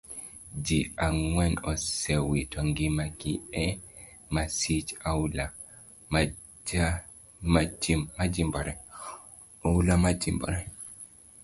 Ji angwen osewito ngima gi e masich oula majimbore.